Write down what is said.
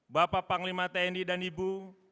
bapak panglima tni dan ibu